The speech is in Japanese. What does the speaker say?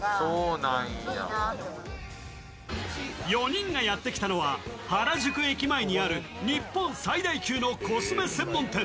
４人がやってきたのは原宿駅前にある日本最大級のコスメ専門店＠ｃｏｓｍｅＴＯＫＹＯ。